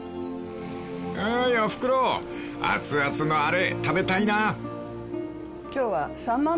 ［おいおふくろ熱々のあれ食べたいな］